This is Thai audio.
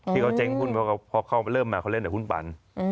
ที่เขาเจ๊งหุ้นเพราะเขาเริ่มมาเขาเล่นแต่หุ้นปัน